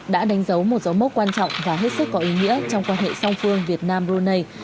đã đánh dấu một dấu mốc quan trọng và hết sức có ý nghĩa trong quan hệ song phương việt nam brunei